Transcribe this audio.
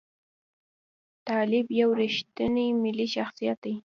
طالب یو ریښتونی ملي شخصیت دی.